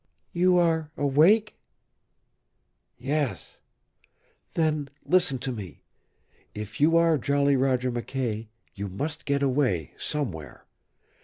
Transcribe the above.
"You are awake?" "Yes." "Then listen to me. If you are Jolly Roger McKay you must get away somewhere.